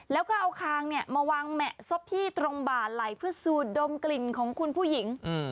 แล้วก็เอาคางมาวางแหมะซบที่ตรงบ่าไหลเพื่อสูดดมกลิ่นของคุณผู้หญิง